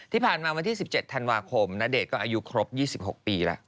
วันที่๑๗ธันวาคมณเดชน์ก็อายุครบ๒๖ปีแล้ว